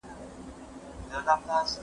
څېړونکي په خپلو څېړنو کي نوي حقایق لټوي.